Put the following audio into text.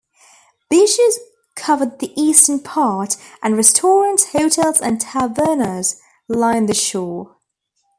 Beaches cover the eastern part and restaurants, hotels, and tavernas line the shore.